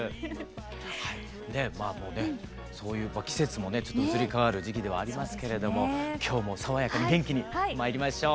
まあそういう季節もね移り変わる時期ではありますけれども今日も爽やかに元気にまいりましょう。